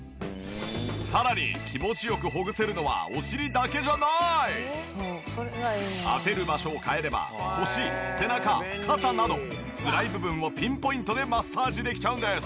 さらに気持ち良くほぐせるのは当てる場所を変えれば腰背中肩などつらい部分をピンポイントでマッサージできちゃうんです。